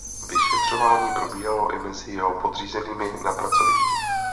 Vyšetřování probíhalo i mezi jeho podřízenými na pracovišti.